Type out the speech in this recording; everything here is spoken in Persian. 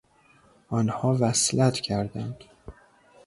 آنها وصلت کردند.